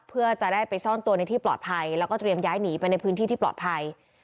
เพื่อจะได้ไปซ่อนตัวในที่ปลอดภัยแล้วก็เตรียมย้ายหนีไปในพื้นที่ที่ปลอดภัย